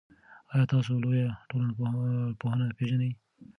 آیا تاسو لویه ټولنپوهنه پېژنئ؟